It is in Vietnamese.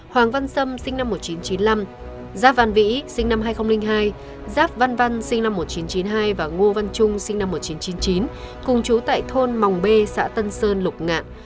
hoàng văn sâm sinh năm một nghìn chín trăm chín mươi năm giáp văn vĩ sinh năm hai nghìn hai giáp văn văn sinh năm một nghìn chín trăm chín mươi hai và ngô văn trung sinh năm một nghìn chín trăm chín mươi chín cùng chú tại thôn mòng b xã tân sơn lục ngạn